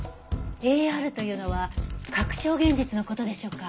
ＡＲというのは拡張現実の事でしょうか？